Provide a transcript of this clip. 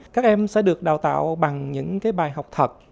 các em sẽ được đào tạo bằng những bài học thật